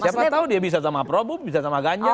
siapa tahu dia bisa sama probo bisa sama ganja